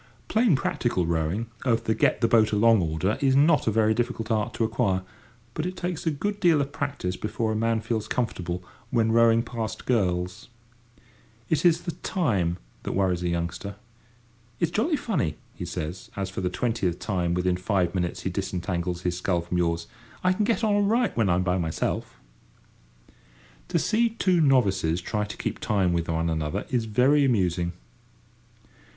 Plain practical rowing of the get the boat along order is not a very difficult art to acquire, but it takes a good deal of practice before a man feels comfortable, when rowing past girls. It is the "time" that worries a youngster. "It's jolly funny," he says, as for the twentieth time within five minutes he disentangles his sculls from yours; "I can get on all right when I'm by myself!" To see two novices try to keep time with one another is very amusing.